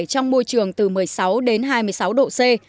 trong môi trường từ một mươi sáu đến hai mươi sáu độ c